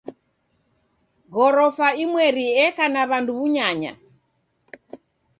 Ghorofa imweri eka na w'andu w'unyanya.